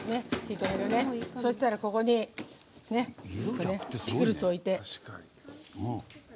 そうしたらここにピクルス置いて。